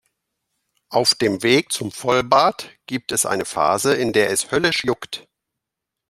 Auf dem Weg zum Vollbart gibt es eine Phase, in der es höllisch juckt.